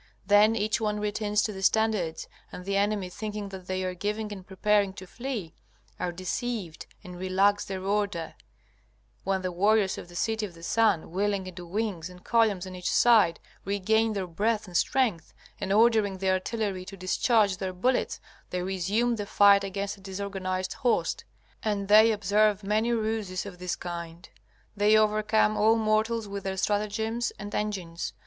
Then each one returns to the standards, and the enemy thinking that they are giving and preparing to flee, are deceived and relax their order: then the warriors of the City of the Sun, wheeling into wings and columns on each side, regain their breath and strength, and ordering the artillery to discharge their bullets they resume the fight against a disorganized host. And they observe many ruses of this kind. They overcome all mortals with their stratagems and engines.